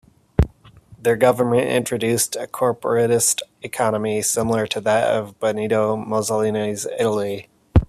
Their government introduced a corporatist economy, similar to that of Benito Mussolini's Italy.